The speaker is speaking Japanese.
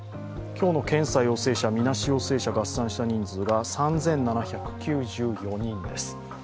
今日の検査陽性者、みなし陽性者、合算した人数が３７９４人です。